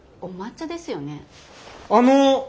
あの！